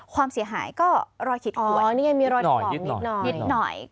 ความเสียหายก็รอยขีดคอนี่ไงมีรอยถลอกนิดหน่อยนิดหน่อย